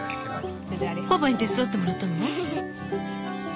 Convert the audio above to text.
パパに手伝ってもらったの？